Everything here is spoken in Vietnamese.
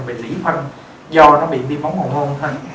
bị rỉ phân do nó bị bi bóng hồn hôn